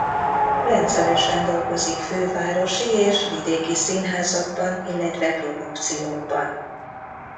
Rendszeresen dolgozik fővárosi és vidéki színházakban illetve produkciókban.